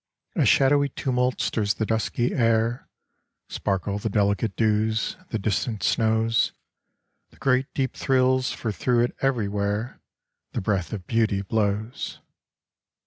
A shadowy tumult stirs the dusky air ; Sparkle the delicate dews, the distant snows ; The great deep thrills for through it everywhere The breath of Beauty blows.